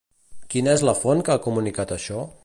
Quina és la font que ha comunicat això?